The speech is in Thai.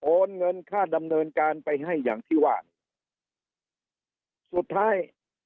เงินค่าดำเนินการไปให้อย่างที่ว่าสุดท้าย